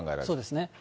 そうですね。